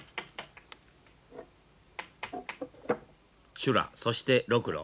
修羅そしてロクロ。